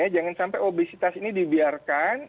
jangan sampai obesitas ini dibiarkan